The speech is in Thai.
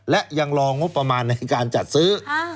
และยังรองบประมาณในการจัดซื้อ